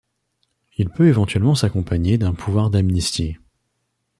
Il peut éventuellement s'accompagner d'un pouvoir d'amnistie.